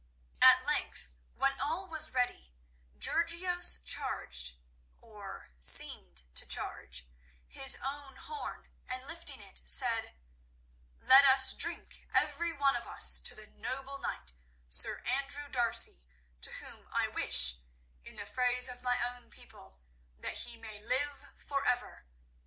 At length, when all was ready, Georgios charged, or seemed to charge, his own horn, and, lifting it, said: "Let us drink, every one of us here, to the noble knight, Sir Andrew D'Arcy, to whom I wish, in the phrase of my own people, that he may live for ever.